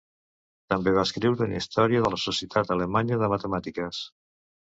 També va escriure una història de la Societat Alemanya de Matemàtiques.